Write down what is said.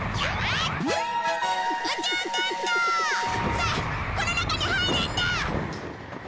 さあこの中に入るんだ！